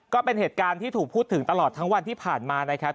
ก็เป็นเหตุการณ์ที่ถูกพูดถึงตลอดทั้งวันที่ผ่านมานะครับ